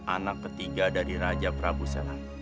anak ketiga dari raja prabu salang